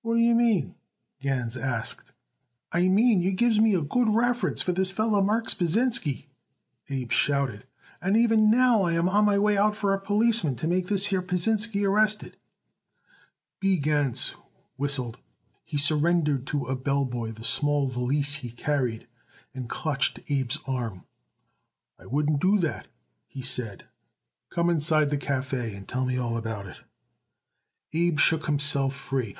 "What do you mean?" Gans asked. "I mean you gives me a good reference for this feller Marks Pasinsky," Abe shouted. "And even now I am on my way out for a policeman to make this here Pasinsky arrested." B. Gans whistled. He surrendered to a bell boy the small valise he carried and clutched Abe's arm. "I wouldn't do that," he said. "Come inside the café and tell me all about it." Abe shook himself free.